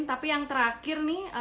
tapi yang terakhir nih